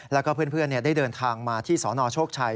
แล้วก็เพื่อนได้เดินทางมาที่สนโชคชัย